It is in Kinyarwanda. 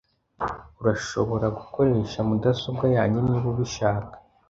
Urashobora gukoresha mudasobwa yanjye niba ubishaka .